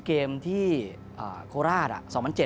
ที่ผ่านมาที่มันถูกบอกว่าเป็นกีฬาพื้นบ้านเนี่ย